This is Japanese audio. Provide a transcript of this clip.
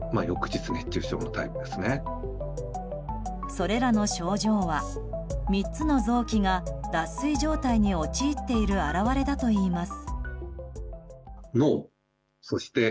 それらの症状は、３つの臓器が脱水状態に陥っている表れだといいます。